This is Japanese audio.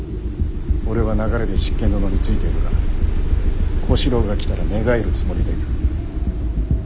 俺は流れで執権殿についているが小四郎が来たら寝返るつもりでいる。